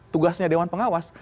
tugasnya dewan pengawas